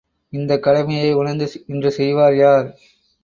இந்தக் கடமையை உணர்ந்து இன்று செய்வார் யார்?